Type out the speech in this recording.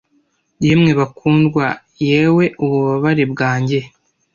yemwe bakundwa yewe ububabare bwanjye